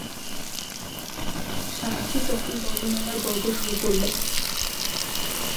শাস্ত্রী তখন বর্ণমালার বর্গ শুরু করলে।